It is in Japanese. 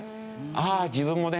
ああ自分もね